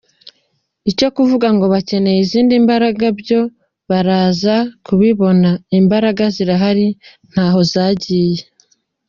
Icyo kuvuga ngo bakeneye izindi mbaraga byo baraza kubibona, imbaraga zirahari ntaho zagiye.